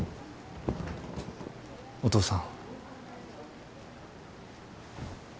お父さん。